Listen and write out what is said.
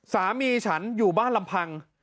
สามีฉันอยู่บ้านลำพัง